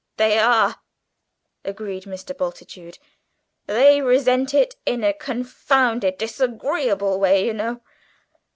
"They are," agreed Mr. Bultitude: "they resent it in a confounded disagreeable way, you know.